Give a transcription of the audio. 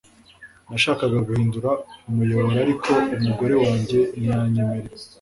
Nashakaga guhindura umuyoboro ariko umugore wanjye ntiyanyemereye